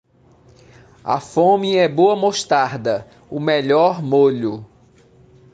A fome é boa mostarda - o melhor molho